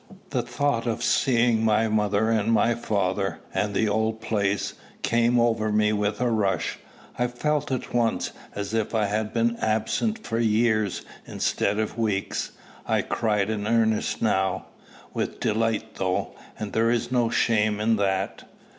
The thought of seeing my mother and my father, and the old place, came over me with a rush. I felt all at once as if I had been absent for years instead of weeks. I cried in earnest now, with delight though, and there is no shame in that.